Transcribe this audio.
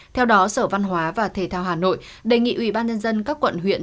theo đó sở văn hóa và thể thao hà nội đề nghị ủy ban nhân dân các quận huyện